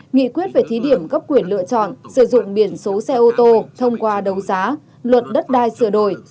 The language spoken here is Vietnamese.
nghị quyết về thí điểm cấp quyền lựa chọn sử dụng biển số xe ô tô thông qua đấu giá luật đất đai sửa đổi